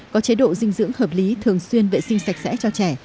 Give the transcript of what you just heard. có chế độ dinh dưỡng hợp lý thường xuyên vệ sinh sạch sẽ cho trẻ